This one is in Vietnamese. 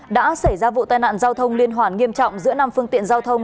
đã xảy ra vụ tai nạn giao thông liên hoàn nghiêm trọng giữa năm phương tiện giao thông